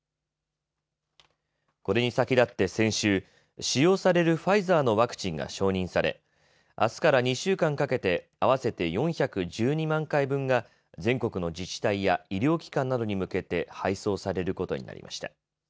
これに先立って先週、使用されるファイザーのワクチンが承認されあすから２週間かけて合わせて４１２万回分が全国の自治体や医療機関などに向けて配送されることになりました。